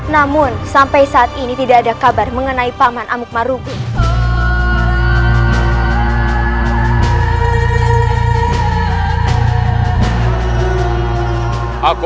namun sampai saat ini tidak ada kabar mengenai paman amuk marugi